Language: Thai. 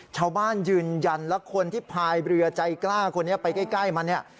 ชาวบ้านยืนยันแล้วคนที่พายเรือใจกล้าคนนี้ไปใกล้มันเนี่ย